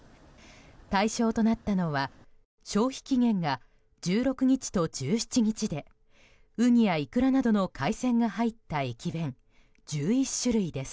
対象となったのは消費期限が１６日と１７日でウニやイクラなどの海鮮が入った駅弁１１種類です。